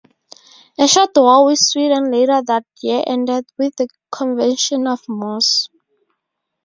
A short war with Sweden later that year ended with the Convention of Moss.